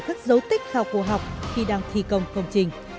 các dấu tích khảo cổ học khi đang thi công công trình